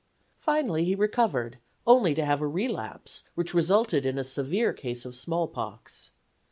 Finally he recovered, only to have a relapse, which resulted in a severe case of smallpox.